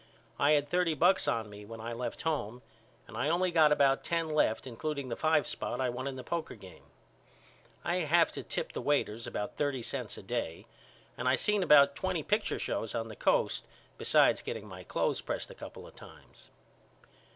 I had thirty bucks on me when I left home and I only got about ten left including the five spot I won in the poker game. I have to tip the waiters about thirty cents a day and I seen about twenty picture shows on the coast beside getting my cloths pressed a couple of times.